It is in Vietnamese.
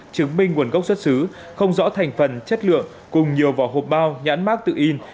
chứng minh nguồn gốc xuất xứ không rõ thành phần chất lượng cùng nhiều vỏ hộp bao nhãn mát tự in